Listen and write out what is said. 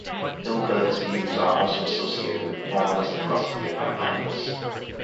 Hilbert's views are also associated with formalist philosophy of mathematics.